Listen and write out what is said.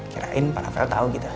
kirain para file tau gitu